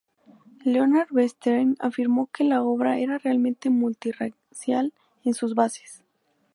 Leonard Bernstein afirmó que la obra era realmente multirracial en sus bases.